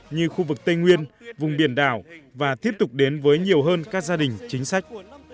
như khu vực tây nguyên vùng biển đảo và tiếp tục đến với nhiều hơn các gia đình chính sách